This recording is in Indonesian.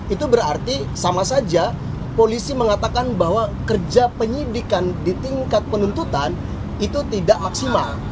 itu berarti sama saja polisi mengatakan bahwa kerja penyidikan di tingkat penuntutan itu tidak maksimal